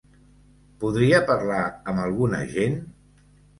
Podria parlar amb algun agent?